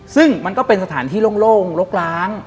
ซึ่งมันก็เป็นสถานที่โล่งลกล้าง